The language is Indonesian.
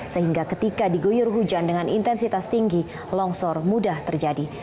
sehingga ketika digoyur hujan dengan intensitas tinggi longsor mudah terjadi